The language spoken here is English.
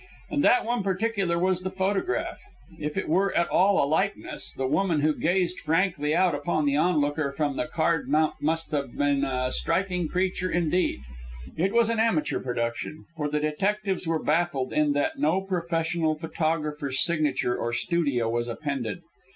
And that one particular was the photograph. If it were at all a likeness, the woman who gazed frankly out upon the onlooker from the card mount must have been a striking creature indeed. It was an amateur production, for the detectives were baffled in that no professional photographer's signature or studio was appended.